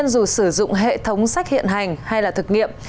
dù sử dụng hệ thống sách hiện hành hay là thực nghiệm